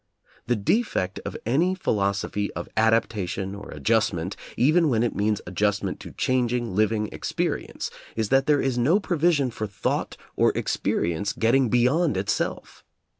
The defect of any philos ophy of "adaptation" or "adjustment," even when it means adjustment to changing, living experi ence, is that there is no provision for thought or experience getting beyond itself.